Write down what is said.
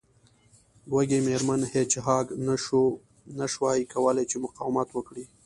وږې میرمن هیج هاګ نشوای کولی چې مقاومت وکړي